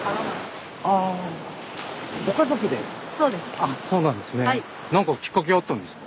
あっそうなんですね。